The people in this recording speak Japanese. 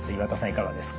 いかがですか？